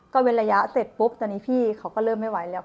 เว้นระยะเสร็จปุ๊บตอนนี้พี่เขาก็เริ่มไม่ไหวแล้ว